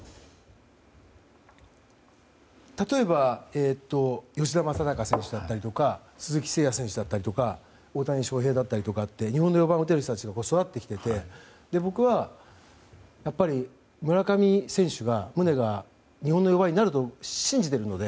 例えば吉田正尚選手だったりとか鈴木誠也選手だったりとか大谷翔平だったりとかって日本の４番を打てる人が育ってきてて僕はやっぱり村上選手、ムネが日本の４番になると信じているので。